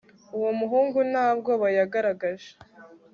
uwo muhungu nta bwoba yagaragaje